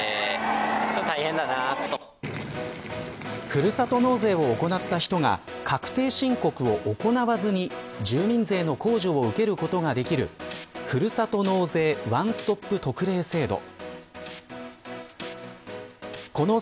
ふるさと納税を行った人が確定申告を行わずに住民税の控除を受けることができるふるさと納税ワンストップ特例制度。